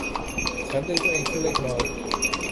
ฉันดึงตัวเองขึ้นเล็กน้อย